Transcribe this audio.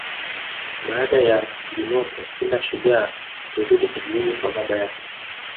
Baada ya eunoto kila shujaa hurudi kijijini kwa baba yake